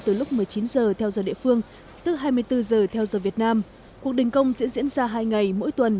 từ lúc một mươi chín h theo giờ địa phương từ hai mươi bốn h theo giờ việt nam cuộc đình công sẽ diễn ra hai ngày mỗi tuần